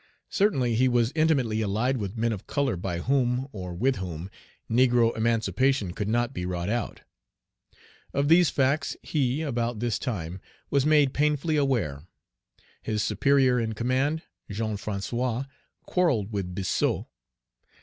Certainly, he was intimately allied with men of color by whom, or with whom, negro emancipation could not be wrought out. Of these facts he, about this time, was made painfully aware. His superior in command, Jean François, quarrelled with Biassou.